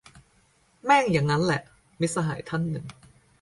แม่งยังงั้นแหละ - มิตรสหายท่านหนึ่ง